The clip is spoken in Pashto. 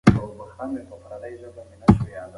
خلک پرون خیرات ته راغلي وو.